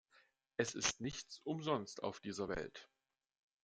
Es ist nichts umsonst auf dieser Welt.